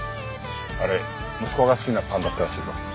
あれ息子が好きなパンだったらしいぞ。